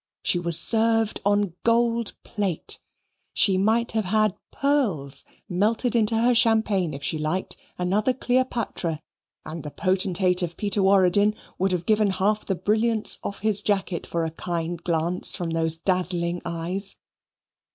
She was served on gold plate. She might have had pearls melted into her champagne if she liked another Cleopatra and the potentate of Peterwaradin would have given half the brilliants off his jacket for a kind glance from those dazzling eyes.